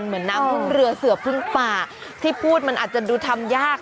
เหมือนน้ำพึ่งเรือเสือพึ่งป่าที่พูดมันอาจจะดูทำยาก